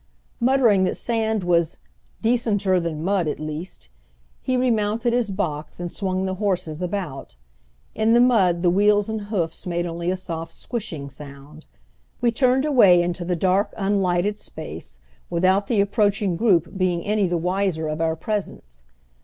Muttering that sand was "decenter than mud at least," he remounted his box and swung the horses about. In the mud the wheels and hoofs made only a soft "squshing" sound. We turned away into the dark, unlighted space without the approaching group being any the wiser of our presence.